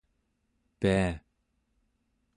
pia